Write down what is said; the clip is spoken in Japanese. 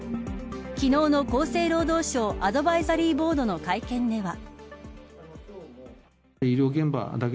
昨日の厚生労働省アドバイザリーボードの会見では。